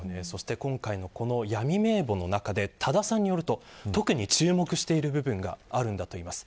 今回の闇名簿の中で多田さんによると特に注目している部分があるんだといいます。